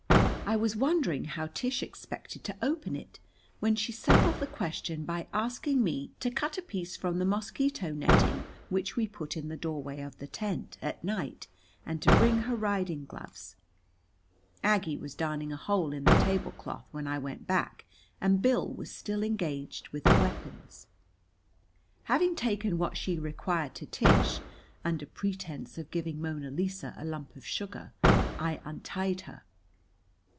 I was wondering how Tish expected to open it, when she settled the question by asking me to cut a piece from the mosquito netting which we put in the doorway of the tent at night, and to bring her riding gloves. Aggie was darning a hole in the tablecloth when I went back and Bill was still engaged with the weapons. Having taken what she required to Tish, under pretense of giving Mona Lisa a lump of sugar, I untied her.